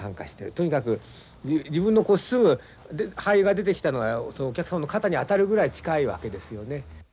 とにかく自分のすぐハエが出てきたのがそのお客様の肩に当たるぐらい近いわけですよね。